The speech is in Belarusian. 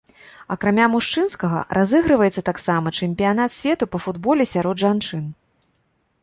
Акрамя мужчынскага, разыгрываецца таксама чэмпіянат свету па футболе сярод жанчын.